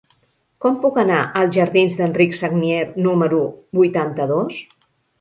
Com puc anar als jardins d'Enric Sagnier número vuitanta-dos?